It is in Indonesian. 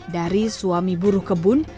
dari suami buruh kebun